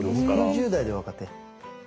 ６０代で若手。